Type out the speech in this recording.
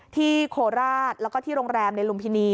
โคราชแล้วก็ที่โรงแรมในลุมพินี